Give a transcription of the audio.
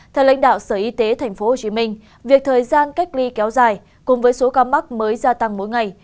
theo lãnh đạo sở y tế tp hcm việc thời gian cách ly kéo dài cùng với số ca mắc mới gia tăng mỗi ngày